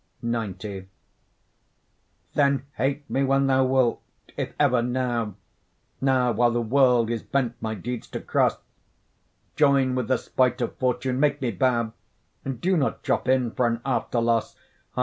XC Then hate me when thou wilt; if ever, now; Now, while the world is bent my deeds to cross, Join with the spite of fortune, make me bow, And do not drop in for an after loss: Ah!